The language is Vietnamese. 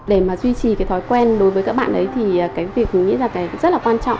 để mà duy trì cái thói quen đối với các bạn ấy thì cái việc mình nghĩ là cái rất là quan trọng